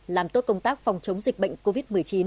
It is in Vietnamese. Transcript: làm tốt công tác phòng chống dịch bệnh covid một mươi chín